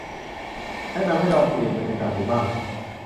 แนะนำให้ลองเปลี่ยนบรรยากาศดูบ้าง